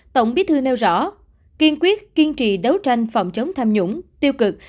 tổng bí thư nêu rõ kiên quyết kiên trì đấu tranh phòng chống tham nhũng tiêu cực